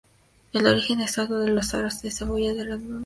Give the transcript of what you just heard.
El origen exacto de los aros de cebolla es desconocido.